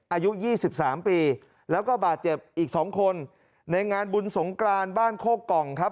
อายุ๒๓ปีแล้วก็บาดเจ็บอีก๒คนในงานบุญสงกรานบ้านโคกล่องครับ